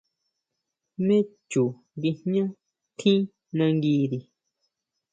¿Jmé chu nguijñá tjín nanguiri?